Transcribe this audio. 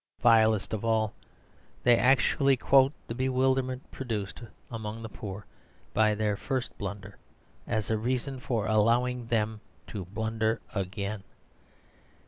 Vilest of all, they actually quote the bewilderment produced among the poor by their first blunder as a reason for allowing them to blunder again.